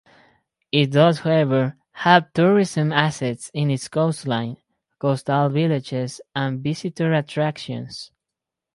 It does, however, have tourism assets in its coastline, coastal villages and visitor attractions.